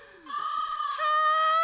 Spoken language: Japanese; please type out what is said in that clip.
はい！